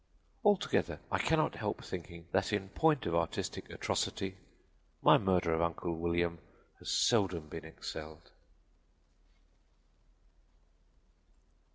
"Altogether, I cannot help thinking that in point of artistic atrocity my murder of Uncle William has seldom been excelled."